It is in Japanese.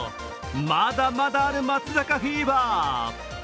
まだまだある松坂フィーバー。